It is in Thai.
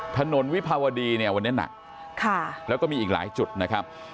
ถนนวิภาวดีเนี่ยวันนี้หนักแล้วก็มีอีกหลายจุดนะครับ